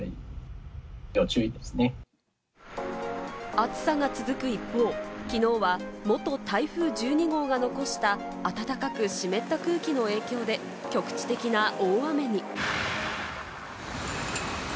暑さが続く一方、きのうは元台風１２号が残した暖かく湿った空気の影響で、局地的な大雨に。